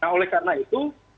nah oleh karena itu